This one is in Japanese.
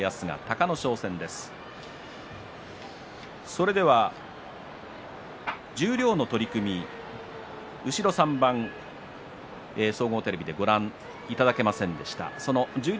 それでは十両の取組後ろ３番、総合テレビでご覧いただけませんでした。